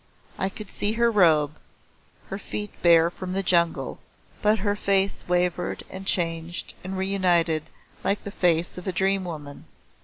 I could see her robe, her feet bare from the jungle, but her face wavered and changed and re united like the face of a dream woman.